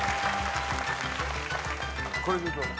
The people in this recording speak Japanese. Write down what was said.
これでどうだ？